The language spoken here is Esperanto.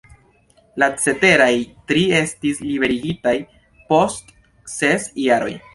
La ceteraj tri estis liberigitaj post ses jaroj.